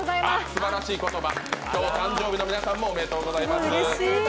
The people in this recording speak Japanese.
すばらしい言葉、今日誕生日の皆さんもおめでとうございます。